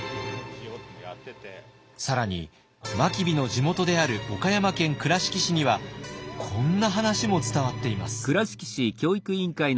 更に真備の地元である岡山県倉敷市にはこんな話も伝わっています。